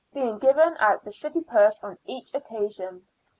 being given out of the city purse on each occasion.